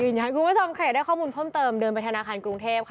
คุณผู้ชมใครจะได้ข้อมูลเพิ่มเติมเดินไปทางนาคารกรุงเทพฯ